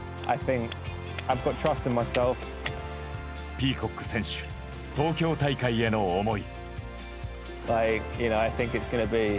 ピーコック選手東京大会への思い。